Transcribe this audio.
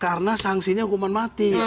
karena sanksinya hukuman mati